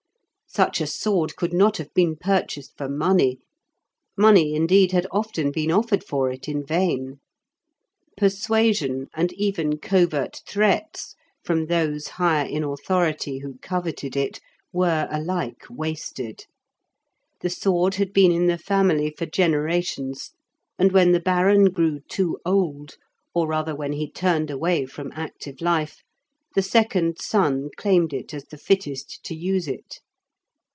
Such a sword could not have been purchased for money; money, indeed, had often been offered for it in vain; persuasion, and even covert threats from those higher in authority who coveted it, were alike wasted. The sword had been in the family for generations, and when the Baron grew too old, or rather when he turned away from active life, the second son claimed it as the fittest to use it.